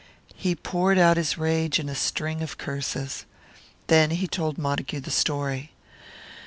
He poured out his rage in a string of curses. Then he told Montague the story.